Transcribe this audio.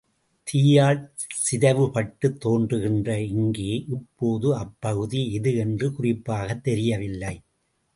தீயால் சிதைவுபட்டுத் தோன்றுகின்ற இங்கே, இப்போது அப் பகுதி எது என்று குறிப்பாகத் தெரியவில்லை.